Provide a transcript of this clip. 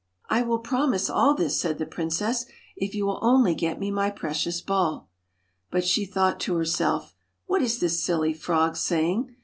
r l will promise all this,' said the princess, ' if you will only get me my precious ball.' But she thought to herself: 'what is this silly frog saying?